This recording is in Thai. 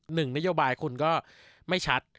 หนึ่งนโยบายคุณก็ไม่ชัด